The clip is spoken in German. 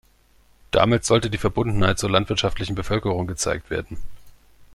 Damit sollte die Verbundenheit zur landwirtschaftlichen Bevölkerung gezeigt werden.